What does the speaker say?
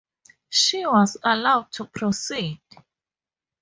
She was allowed to proceed.